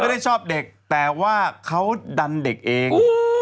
ไม่ได้ชอบเด็กแต่ว่าเขาดันเด็กเอง